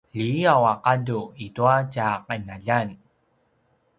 liyaw a gadu itua tja qinaljan